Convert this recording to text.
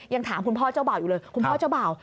ยังถามคุณพ่อเจ้าบ่าวอยู่เลยคุณพ่อเจ้าบ่าว